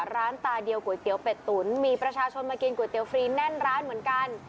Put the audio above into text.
ร้านตาเดียวก๋วยเตี๋ยวเป็ดตุ๋นมีประชาชนมากินก๋วเตี๋ฟรีแน่นร้านเหมือนกัน